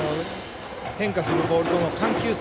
変化するボールとの緩急差